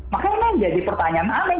makanya memang jadi pertanyaan aneh